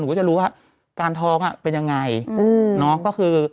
หนูก็จะรู้ว่าการท้องเป็นยังไง